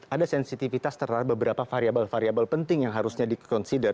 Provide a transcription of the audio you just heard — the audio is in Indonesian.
ada sensitivitas terhadap beberapa variable variable penting yang harusnya di consider